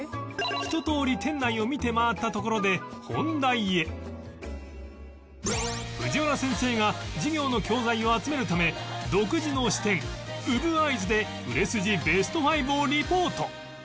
ひととおり店内を見て回ったところで藤原先生が授業の教材を集めるため独自の視点初心 ＥＹＥＳ で売れ筋ベスト５をリポート